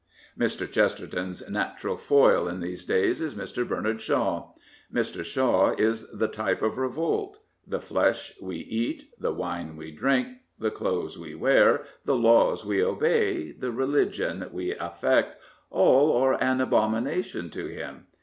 Mr. Chesterton's natural foil in these days is Mr. Bernard Shaw. Mr. Shaw is the type of revolt. The flesh we eat, the wine we drink, the clothes we wear, the laws we obey, the religion we affect — all are an abomination to him.